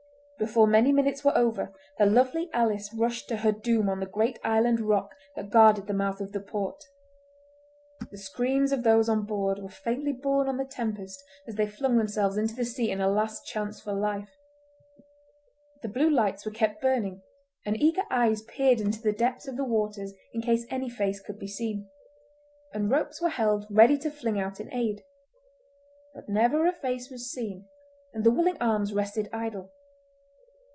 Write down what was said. Before many minutes were over the Lovely Alice rushed to her doom on the great island rock that guarded the mouth of the port. The screams of those on board were faintly borne on the tempest as they flung themselves into the sea in a last chance for life. The blue lights were kept burning, and eager eyes peered into the depths of the waters in case any face could be seen; and ropes were held ready to fling out in aid. But never a face was seen, and the willing arms rested idle.